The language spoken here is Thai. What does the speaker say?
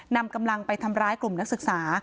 นำกำลังไปทำร้ายกลุ่มนักศึกษา